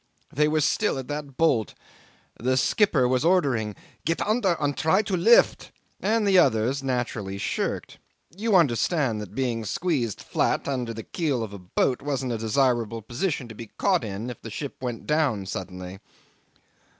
They were still at that bolt. The skipper was ordering, "Get under and try to lift"; and the others naturally shirked. You understand that to be squeezed flat under the keel of a boat wasn't a desirable position to be caught in if the ship went down suddenly.